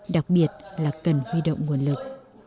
đặc biệt là cần huy động nguồn lực